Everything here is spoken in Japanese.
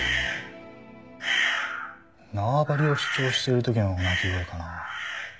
縄張りを主張してる時の鳴き声かな？